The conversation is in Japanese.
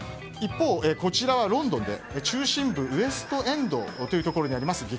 一方、こちらはロンドンで中心部ウエストエンドというところにあります